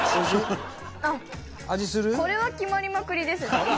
あっこれは決まりまくりですね。